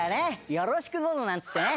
よろしくどうぞなんつってね。